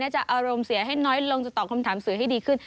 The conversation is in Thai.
จะอารมณ์เสียให้น้อยลงจะตอบคำถามสื่อให้ดีขึ้น